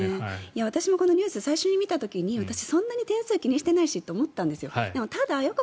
私もこのニュース最初に見た時に私、そんなに点数気にしてないって思ったんですよ。